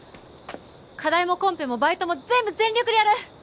課題もコンペもバイトも全部全力でやる！